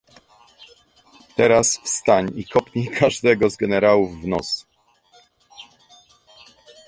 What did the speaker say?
"Teraz wstań i kopnij każdego z generałów w nos."